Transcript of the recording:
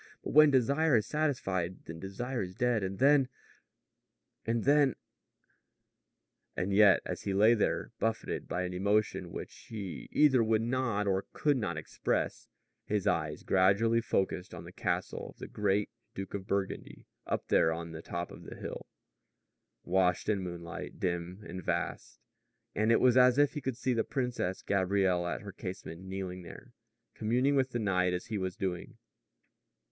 But when desire is satisfied, then desire is dead, and then and then " And yet, as he lay there, buffeted by an emotion which he either would not or could not express, his eyes gradually focused on the castle of the great Duke of Burgundy up there on top of the hill washed in moonlight, dim and vast; and it was as if he could see the Princess Gabrielle at her casement, kneeling there, communing with the night as he was doing.